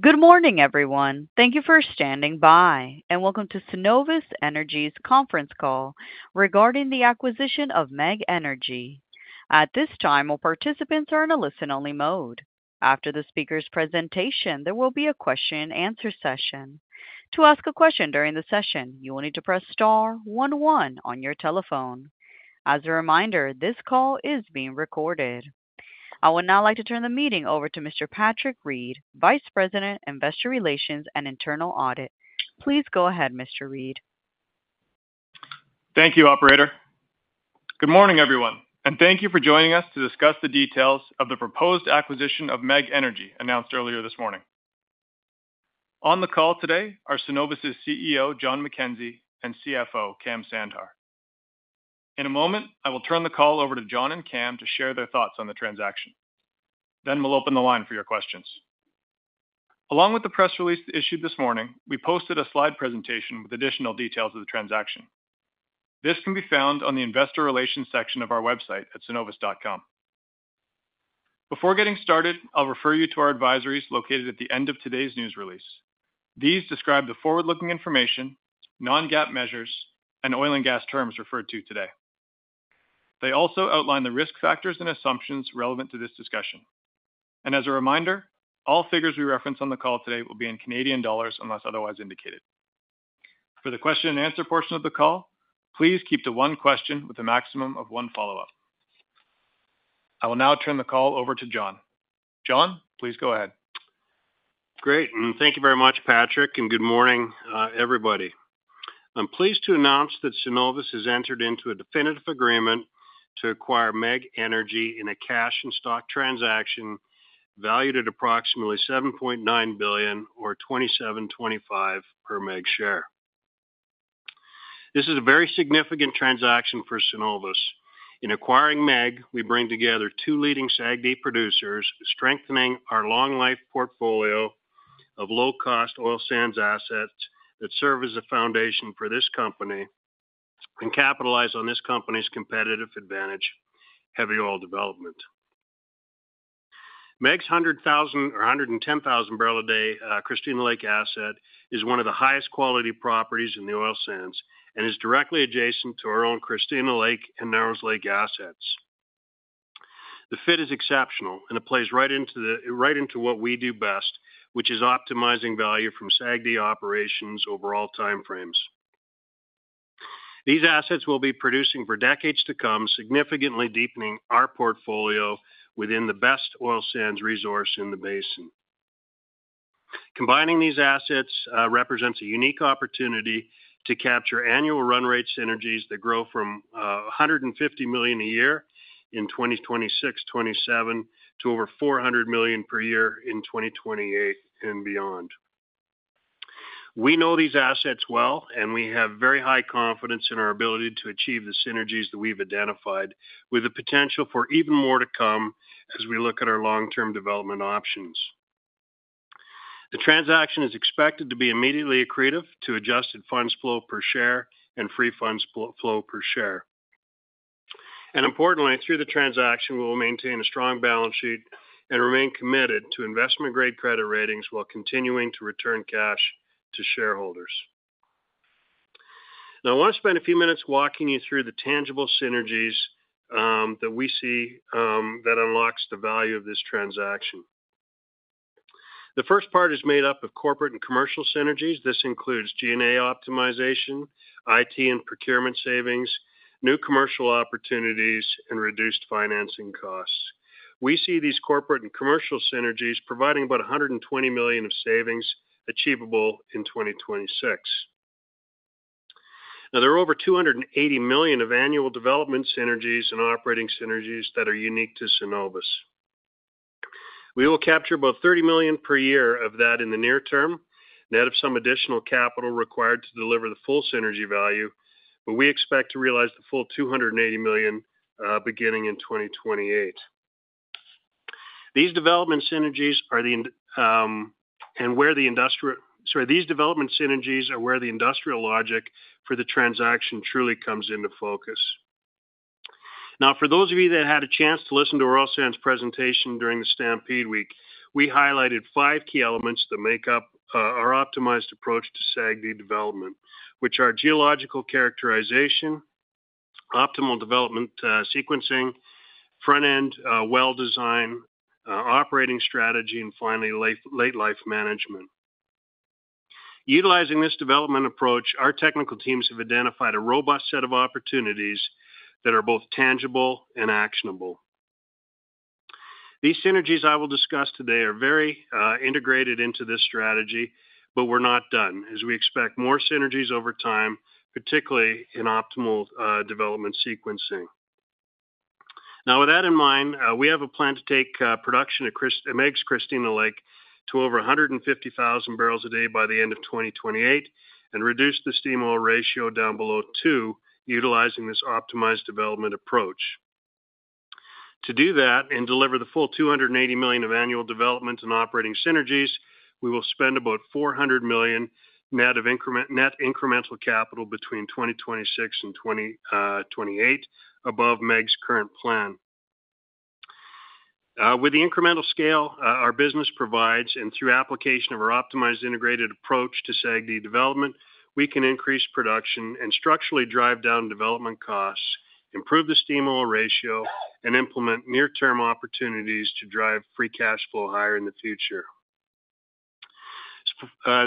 Good morning, everyone. Thank you for standing by and welcome to Cenovus Energy's Conference Call regarding the acquisition of MEG Energy. At this time, all participants are in a listen-only mode. After the speaker's presentation, there will be a question and answer session. To ask a question during the session, you will need to press star star star on your telephone. As a reminder, this call is being recorded. I would now like to turn the meeting over to Mr. Patrick Read, Vice President, Investor Relations and Internal Audit. Please go ahead, Mr. Read. Thank you, Operator. Good morning, everyone, and thank you for joining us to discuss the details of the proposed acquisition of MEG Energy announced earlier this morning. On the call today are Cenovus's CEO, Jon McKenzie, and CFO, Kam Sandhar. In a moment, I will turn the call over to Jon and Kam to share their thoughts on the transaction. We will then open the line for your questions. Along with the press release issued this morning, we posted a slide presentation with additional details of the transaction. This can be found on the Investor Relations section of our website at cenovus.com. Before getting started, I'll refer you to our advisories located at the end of today's news release. These describe the forward-looking information, non-GAAP measures, and oil and gas terms referred to today. They also outline the risk factors and assumptions relevant to this discussion. As a reminder, all figures we reference on the call today will be in Canadian dollars unless otherwise indicated. For the question and answer portion of the call, please keep to one question with a maximum of one follow-up. I will now turn the call over to Jon. Jon, please go ahead. Great. Thank you very much, Patrick, and good morning, everybody. I'm pleased to announce that Cenovus has entered into a definitive agreement to acquire MEG Energy in a cash and stock transaction valued at approximately CND 7.9 billion or CND 27.25 per MEG share. This is a very significant transaction for Cenovus. In acquiring MEG, we bring together two leading SAGD producers, strengthening our long-life portfolio of low-cost oil sands assets that serve as a foundation for this company and capitalize on this company's competitive advantage, heavy oil development. MEG's 100,000 or 110,000 bbl per day Christina Lake asset is one of the highest quality properties in the oil sands and is directly adjacent to our own Christina Lake and Narrows Lake assets. The fit is exceptional, and it plays right into what we do best, which is optimizing value from SAGD operations over all time frames. These assets will be producing for decades to come, significantly deepening our portfolio within the best oil sands resource in the basin. Combining these assets represents a unique opportunity to capture annual run-rate synergies that grow from CND 150 million a year in 2026-2027 to over CND 400 million per year in 2028 and beyond. We know these assets well, and we have very high confidence in our ability to achieve the synergies that we've identified, with the potential for even more to come as we look at our long-term development options. The transaction is expected to be immediately accretive to adjusted funds flow per share and free funds flow per share. Importantly, through the transaction, we will maintain a strong balance sheet and remain committed to investment-grade credit ratings while continuing to return cash to shareholders. Now, I want to spend a few minutes walking you through the tangible synergies that we see that unlock the value of this transaction. The first part is made up of corporate and commercial synergies. This includes G&A optimization, IT and procurement savings, new commercial opportunities, and reduced financing costs. We see these corporate and commercial synergies providing about CND 120 million of savings achievable in 2026. Now, there are over CND 280 million of annual development and operating synergies that are unique to Cenovus. We will capture about CND 30 million per year of that in the near term, and that requires some additional capital to deliver the full synergy value, but we expect to realize the full CND 280 million beginning in 2028. These development synergies are where the industrial logic for the transaction truly comes into focus. Now, for those of you that had a chance to listen to our oil sands presentation during the Stampede week, we highlighted five key elements that make up our optimized approach to SAGD development, which are geological characterization, optimal development sequencing, front-end well design, operating strategy, and finally, late-life management. Utilizing this development approach, our technical teams have identified a robust set of opportunities that are both tangible and actionable. These synergies I will discuss today are very integrated into this strategy, but we're not done, as we expect more synergies over time, particularly in optimal development sequencing. Now, with that in mind, we have a plan to take production at MEG's Christina Lake to over 150,000 bbl per day by the end of 2028 and reduce the steam oil ratio down below 2 utilizing this optimized development approach. To do that and deliver the full CND 280 million of annual development and operating synergies, we will spend about CND 400 million net incremental capital between 2026 and 2028, above MEG's current plan. With the incremental scale our business provides and through application of our optimized integrated approach to SAGD development, we can increase production and structurally drive down development costs, improve the steam oil ratio, and implement near-term opportunities to drive free cash flow higher in the future.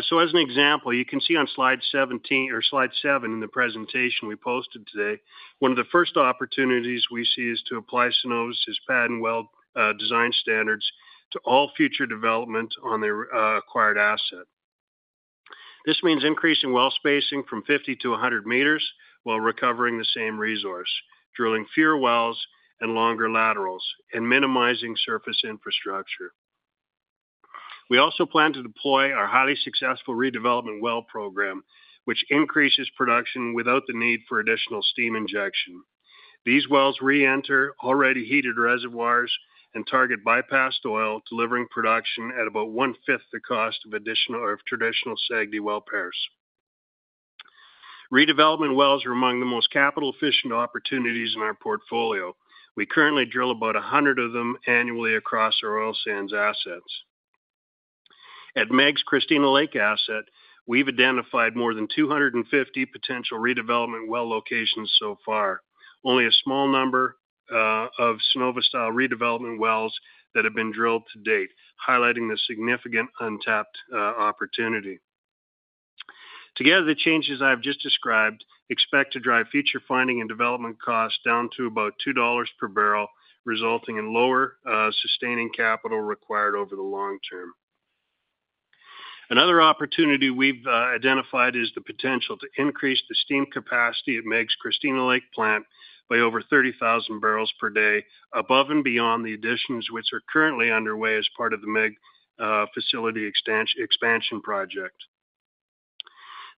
For example, you can see on slide 17 or slide 7 in the presentation we posted today, one of the first opportunities we see is to apply Cenovus's patent well design standards to all future development on their acquired asset. This means increasing well spacing from 50-100 m while recovering the same resource, drilling fewer wells and longer laterals, and minimizing surface infrastructure. We also plan to deploy our highly successful redevelopment well program, which increases production without the need for additional steam injection. These wells re-enter already heated reservoirs and target bypassed oil, delivering production at about one-fifth the cost of traditional SAGD well pairs. Redevelopment wells are among the most capital-efficient opportunities in our portfolio. We currently drill about 100 of them annually across our oil sands assets. At MEG's Christina Lake asset, we've identified more than 250 potential redevelopment well locations so far, with only a small number of Cenovus-style redevelopment wells that have been drilled to date, highlighting the significant untapped opportunity. Together, the changes I've just described are expected to drive future finding and development costs down to about CND 2 per bbl, resulting in lower sustaining capital required over the long term. Another opportunity we've identified is the potential to increase the steam capacity at MEG's Christina Lake plant by over 30,000 bbl per day, above and beyond the additions which are currently underway as part of the MEG facility expansion project.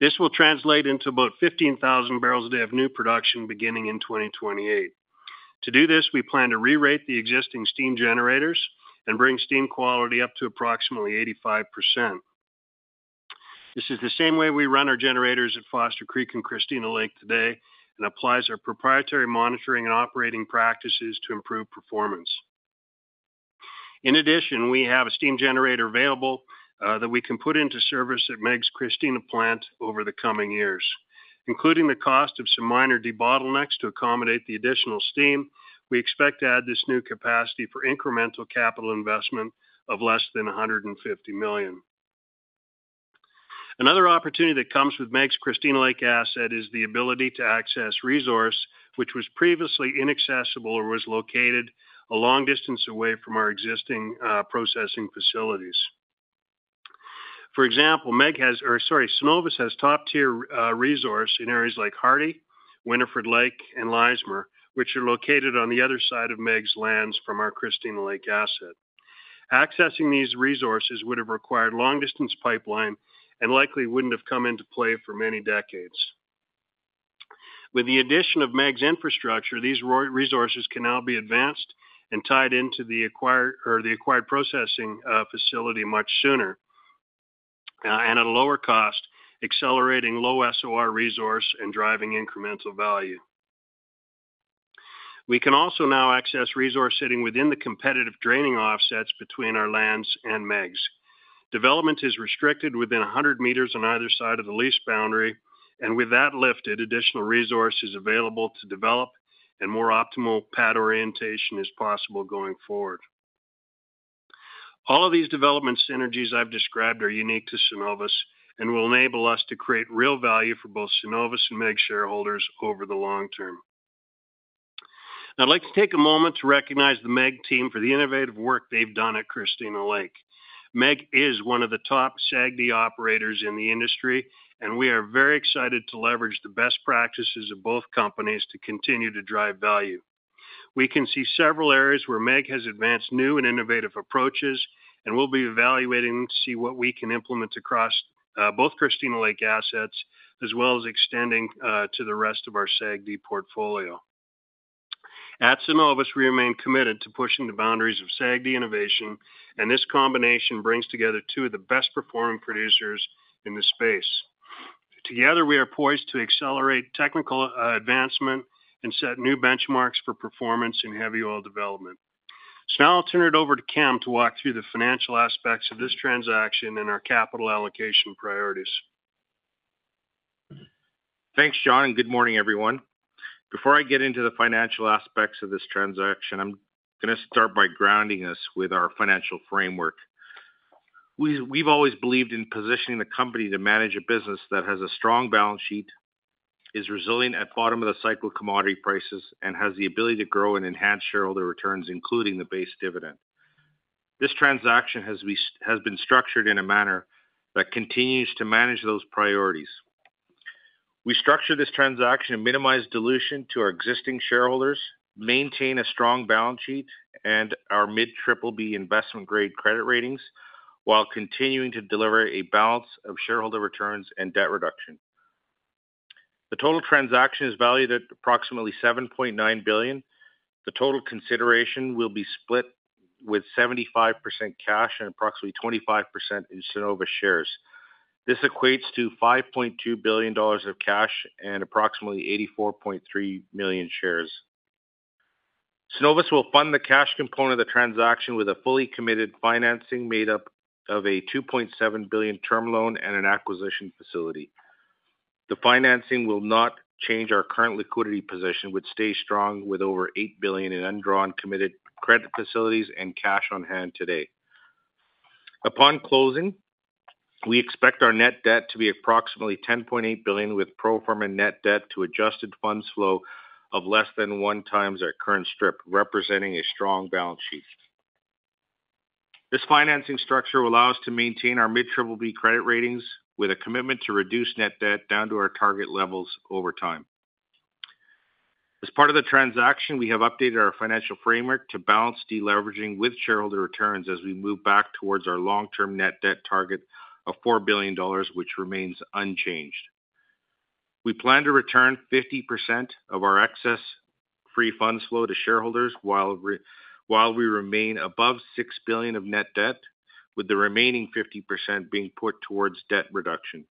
This will translate into about 15,000 bbl per day of new production beginning in 2028. To do this, we plan to re-rate the existing steam generators and bring steam quality up to approximately 85%. This is the same way we run our generators at Foster Creek and Christina Lake today and applies our proprietary monitoring and operating practices to improve performance. In addition, we have a steam generator available that we can put into service at MEG's Christina Lake plant over the coming years. Including the cost of some minor de-bottlenecks to accommodate the additional steam, we expect to add this new capacity for incremental capital investment of less than CND 150 million. Another opportunity that comes with MEG's Christina Lake asset is the ability to access resource which was previously inaccessible or was located a long distance away from our existing processing facilities. For example, Cenovus has top-tier resource in areas like Hardy, Winefred Lake, and Lloydminister, which are located on the other side of MEG's lands from our Christina Lake asset. Accessing these resources would have required a long-distance pipeline and likely would not have come into play for many decades. With the addition of MEG's infrastructure, these resources can now be advanced and tied into the acquired processing facility much sooner and at a lower cost, accelerating low SOR resource and driving incremental value. We can also now access resource sitting within the competitive draining offsets between our lands and MEG's. Development is restricted within 100 m on either side of the lease boundary, and with that lifted, additional resource is available to develop, and more optimal pad orientation is possible going forward. All of these development synergies I've described are unique to Cenovus and will enable us to create real value for both Cenovus and MEG shareholders over the long term. I'd like to take a moment to recognize the MEG team for the innovative work they've done at Christina Lake. MEG is one of the top SAGD operators in the industry, and we are very excited to leverage the best practices of both companies to continue to drive value. We can see several areas where MEG has advanced new and innovative approaches, and we'll be evaluating to see what we can implement across both Christina Lake assets as well as extending to the rest of our SAGD portfolio. At Cenovus, we remain committed to pushing the boundaries of SAGD innovation, and this combination brings together two of the best-performing producers in the space. Together, we are poised to accelerate technical advancement and set new benchmarks for performance in heavy oil development. I'll turn it over to Kam to walk through the financial aspects of this transaction and our capital allocation priorities. Thanks, Jon. Good morning, everyone. Before I get into the financial aspects of this transaction, I'm going to start by grounding us with our financial framework. We've always believed in positioning the company to manage a business that has a strong balance sheet, is resilient at the bottom of the cycle of commodity prices, and has the ability to grow and enhance shareholder returns, including the base dividend. This transaction has been structured in a manner that continues to manage those priorities. We structured this transaction to minimize dilution to our existing shareholders, maintain a strong balance sheet, and our mid triple B investment-grade credit ratings while continuing to deliver a balance of shareholder returns and debt reduction. The total transaction is valued at approximately CND 7.9 billion. The total consideration will be split with 75% cash and approximately 25% in Cenovus shares. This equates to CND 5.2 billion of cash and approximately 84.3 million shares. Cenovus will fund the cash component of the transaction with a fully committed financing made up of a CND 2.7 billion term loan and an acquisition facility. The financing will not change our current liquidity position, which stays strong with over CND 8 billion in undrawn committed credit facilities and cash on hand today. Upon closing, we expect our net debt to be approximately CND 10.8 billion, with pro forma net debt to adjusted funds flow of less than 1x our current strip, representing a strong balance sheet. This financing structure will allow us to maintain our mid triple B credit ratings with a commitment to reduce net debt down to our target levels over time. As part of the transaction, we have updated our financial framework to balance deleveraging with shareholder returns as we move back towards our long-term net debt target of CND 4 billion, which remains unchanged. We plan to return 50% of our excess free funds flow to shareholders while we remain above CND 6 billion of net debt, with the remaining 50% being put towards debt reduction.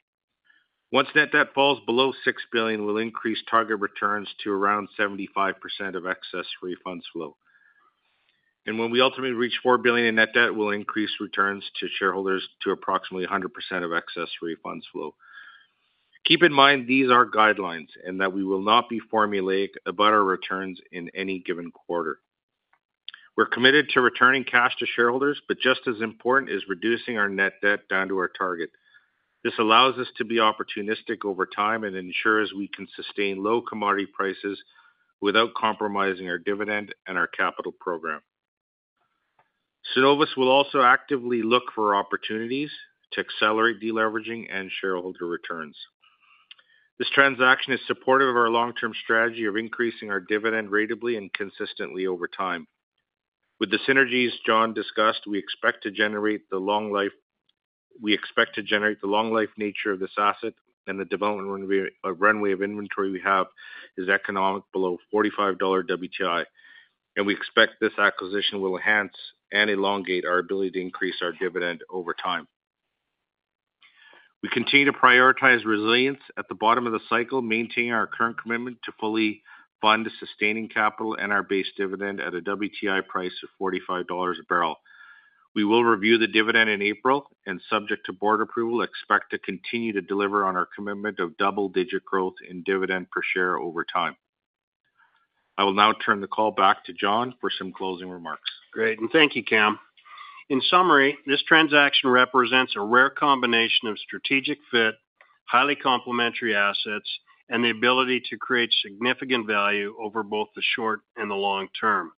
Once that debt falls below CND 6 billion, we'll increase target returns to around 75% of excess free funds flow. When we ultimately reach CND 4 billion in net debt, we'll increase returns to shareholders to approximately 100% of excess free funds flow. Keep in mind these are guidelines and that we will not be formulating about our returns in any given quarter. We're committed to returning cash to shareholders, but just as important is reducing our net debt down to our target. This allows us to be opportunistic over time and ensures we can sustain low commodity prices without compromising our dividend and our capital program. Cenovus will also actively look for opportunities to accelerate deleveraging and shareholder returns. This transaction is supportive of our long-term strategy of increasing our dividend ratably and consistently over time. With the synergies Jon discussed, we expect to generate the long-life nature of this asset, and the development runway of inventory we have is economic below CND 45 WTI. We expect this acquisition will enhance and elongate our ability to increase our dividend over time. We continue to prioritize resilience at the bottom of the cycle, maintaining our current commitment to fully bond to sustaining capital and our base dividend at a WTI price of CND 45 a barrel. We will review the dividend in April and, subject to board approval, expect to continue to deliver on our commitment of double-digit growth in dividend per share over time. I will now turn the call back to Jon for some closing remarks. Great. Thank you, Kam. In summary, this transaction represents a rare combination of strategic fit, highly complementary assets, and the ability to create significant value over both the short and the long term.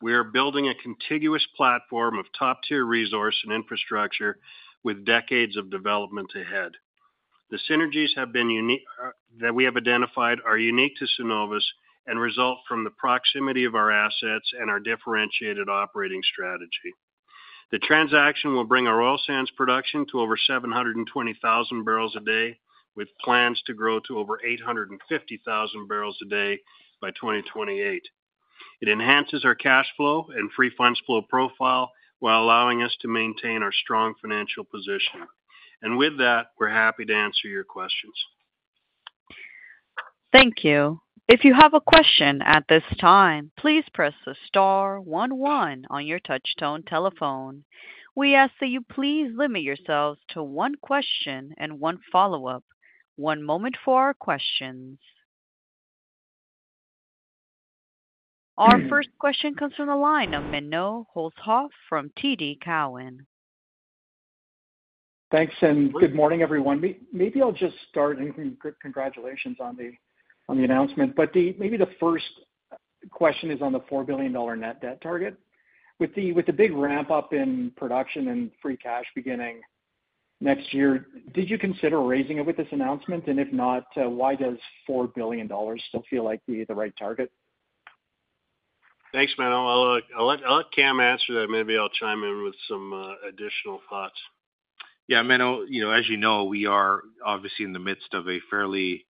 We are building a contiguous platform of top-tier resource and infrastructure with decades of development ahead. The synergies that we have identified are unique to Cenovus and result from the proximity of our assets and our differentiated operating strategy. The transaction will bring our oil sands production to over 720,000 bbl per day, with plans to grow to over 850,000 bbl per day by 2028. It enhances our cash flow and free funds flow profile while allowing us to maintain our strong financial position. We are happy to answer your questions. Thank you. If you have a question at this time, please press the star one one on your touch-tone telephone. We ask that you please limit yourselves to one question and one follow-up. One moment for our questions. Our first question comes from the line of Menno Hulshof from TD Securities. Thanks, and good morning, everyone. Maybe I'll just start, and congratulations on the announcement. Maybe the first question is on the CND 4 billion net debt target. With the big ramp-up in production and free cash beginning next year, did you consider raising it with this announcement? If not, why does CND 4 billion still feel like the right target? Thanks, Menno. I'll let Kam answer that. Maybe I'll chime in with some additional thoughts. Yeah, Menno, as you know, we are obviously in the midst of a fairly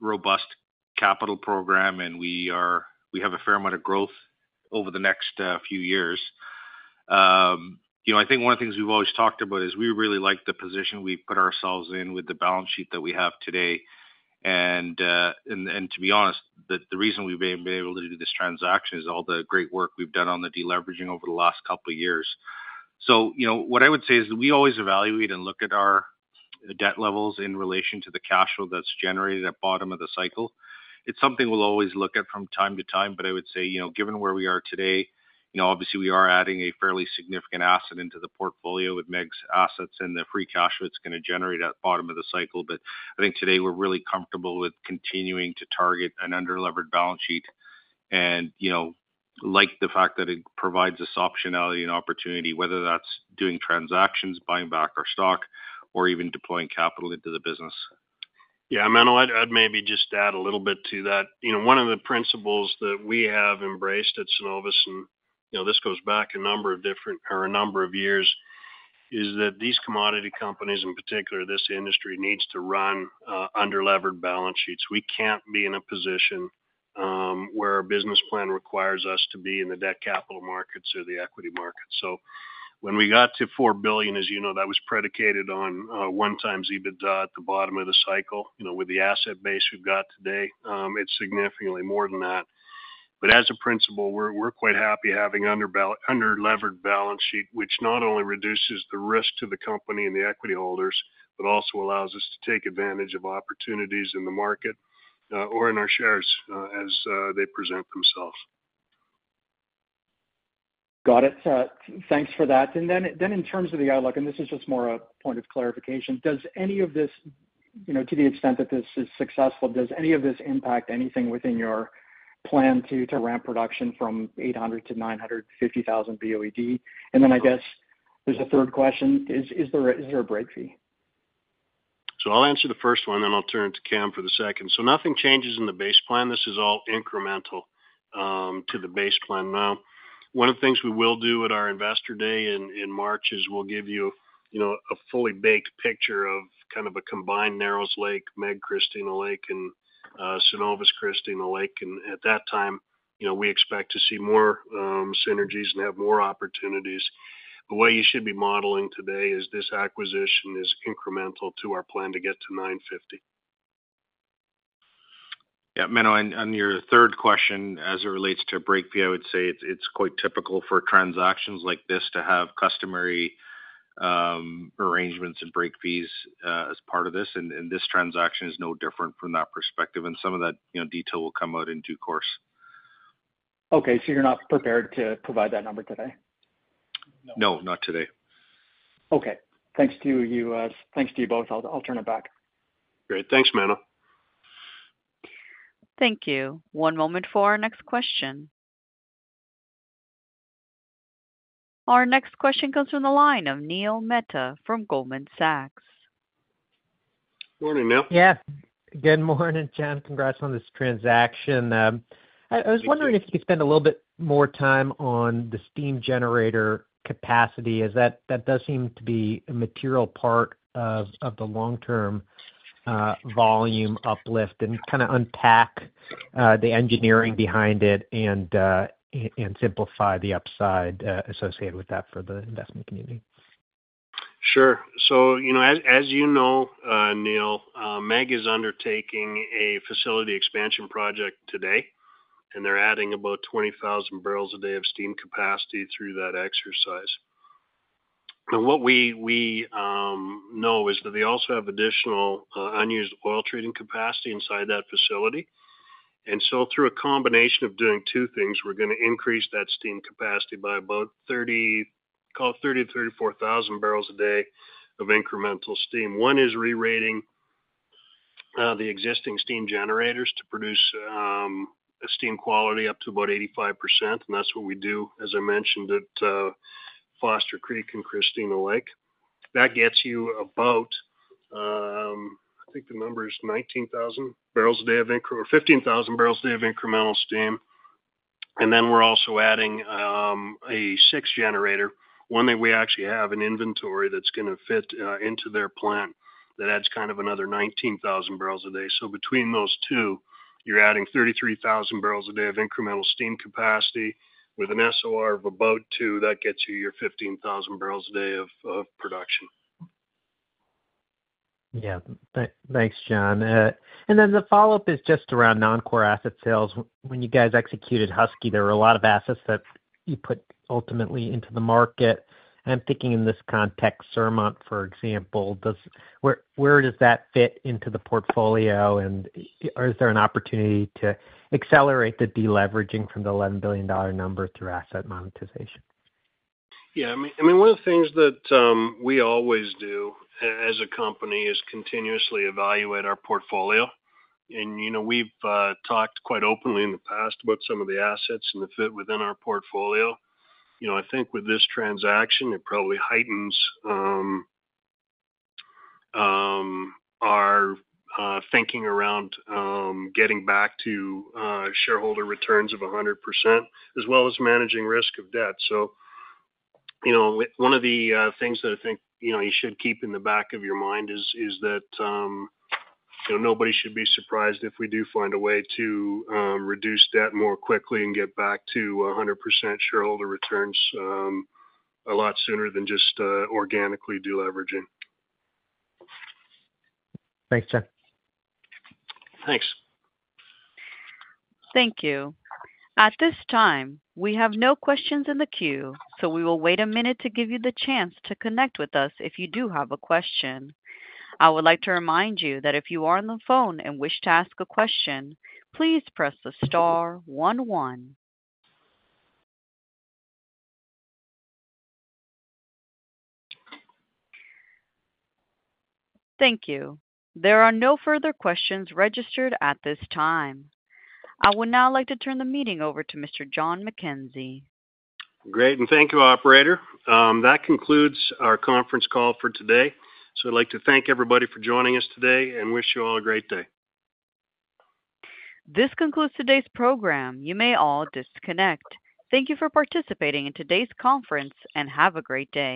robust capital program, and we have a fair amount of growth over the next few years. I think one of the things we've always talked about is we really like the position we put ourselves in with the balance sheet that we have today. To be honest, the reason we've been able to do this transaction is all the great work we've done on the deleveraging over the last couple of years. What I would say is that we always evaluate and look at our debt levels in relation to the cash flow that's generated at the bottom of the cycle. It's something we'll always look at from time to time. I would say, given where we are today, obviously we are adding a fairly significant asset into the portfolio with MEG's assets and the free cash flow it's going to generate at the bottom of the cycle. I think today we're really comfortable with continuing to target an under-leveraged balance sheet and like the fact that it provides us optionality and opportunity, whether that's doing transactions, buying back our stock, or even deploying capital into the business. Yeah, Menno, I'd maybe just add a little bit to that. One of the principles that we have embraced at Cenovus, and this goes back a number of years, is that these commodity companies, in particular, this industry needs to run under-leveraged balance sheets. We can't be in a position where our business plan requires us to be in the debt capital markets or the equity markets. When we got to CND 4 billion, as you know, that was predicated on 1x EBITDA at the bottom of the cycle. With the asset base we've got today, it's significantly more than that. As a principle, we're quite happy having under-leveraged balance sheet, which not only reduces the risk to the company and the equity holders, but also allows us to take advantage of opportunities in the market or in our shares as they present themselves. Got it. Thanks for that. In terms of the outlook, and this is just more a point of clarification, does any of this, you know, to the extent that this is successful, impact anything within your plan to ramp production from CND 800,000-CND 950,000 BOED? I guess there's a third question. Is there a break fee? I'll answer the first one, and then I'll turn it to Kam for the second. Nothing changes in the base plan. This is all incremental to the base plan now. One of the things we will do at our investor day in March is we'll give you a fully baked picture of kind of a combined Narrows Lake, MEG Christina Lake, and Cenovus Christina Lake. At that time, we expect to see more synergies and have more opportunities. The way you should be modeling today is this acquisition is incremental to our plan to get to 950,000. Yeah, Menno, on your third question, as it relates to a break fee, I would say it's quite typical for transactions like this to have customary arrangements and break fees as part of this. This transaction is no different from that perspective. Some of that detail will come out in due course. Okay, you're not prepared to provide that number today? No, not today. Okay. Thanks to you. Thanks to you both. I'll turn it back. Great. Thanks, Menno. Thank you. One moment for our next question. Our next question comes from the line of Neil Mehta from Goldman Sachs. Morning, Neil. Yeah. Good morning, Jon. Congrats on this transaction. I was wondering if you could spend a little bit more time on the steam generator capacity, as that does seem to be a material part of the long-term volume uplift, and kind of unpack the engineering behind it and simplify the upside associated with that for the investment community. Sure. As you know, Neil, MEG is undertaking a facility expansion project today, and they're adding about 20,000 bbl per day of steam capacity through that exercise. What we know is that they also have additional unused oil treating capacity inside that facility. Through a combination of doing two things, we're going to increase that steam capacity by about 30, call it 30,000-34,000 bbl per day of incremental steam. One is re-rating the existing steam generators to produce a steam quality up to about 85%. That's what we do, as I mentioned, at Foster Creek and Christina Lake. That gets you about, I think the number is 19,000 bbl per day of incremental or 15,000 bbl per day of incremental steam. We're also adding a sixth generator, one that we actually have in inventory that's going to fit into their plant that adds kind of another 19,000 bbl per day. Between those two, you're adding 33,000 bbl per day of incremental steam capacity with an SOR of about 2. That gets you your 15,000 bbl per day of production. Thanks, Jon. The follow-up is just around non-core asset sales. When you guys executed Husky, there were a lot of assets that you put ultimately into the market. I'm thinking in this context, Surmont, for example. Where does that fit into the portfolio, and is there an opportunity to accelerate the deleveraging from the CND 11 billion number through asset monetization? Yeah. I mean, one of the things that we always do as a company is continuously evaluate our portfolio. We've talked quite openly in the past about some of the assets and the fit within our portfolio. I think with this transaction, it probably heightens our thinking around getting back to shareholder returns of 100%, as well as managing risk of debt. One of the things that I think you should keep in the back of your mind is that nobody should be surprised if we do find a way to reduce debt more quickly and get back to 100% shareholder returns a lot sooner than just organically deleveraging. Thanks, Jon. Thanks. Thank you. At this time, we have no questions in the queue, so we will wait a minute to give you the chance to connect with us if you do have a question. I would like to remind you that if you are on the phone and wish to ask a question, please press the star one one. Thank you. There are no further questions registered at this time. I would now like to turn the meeting over to Mr. Jon McKenzie. Thank you, Operator. That concludes our conference call for today. I'd like to thank everybody for joining us today and wish you all a great day. This concludes today's program. You may all disconnect. Thank you for participating in today's conference and have a great day.